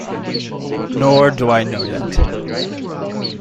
Nor do I know yet.